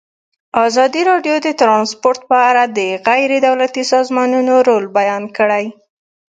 ازادي راډیو د ترانسپورټ په اړه د غیر دولتي سازمانونو رول بیان کړی.